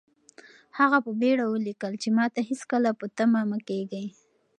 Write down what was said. هغه په بېړه ولیکل چې ماته هېڅکله په تمه مه کېږئ.